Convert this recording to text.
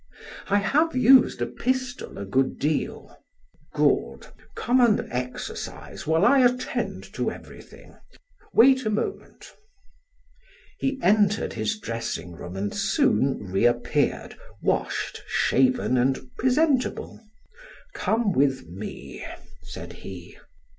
"I have used a pistol a good deal." "Good! Come and exercise while I attend to everything. Wait a moment." He entered his dressing room and soon reappeared, washed, shaven, and presentable. "Come with me," said he.